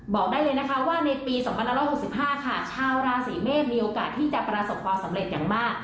บอกได้เลยนะคะว่าในปี๒๑๖๕ค่ะชาวราศีเมษมีโอกาสที่จะประสบความสำเร็จอย่างมาก